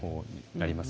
あります。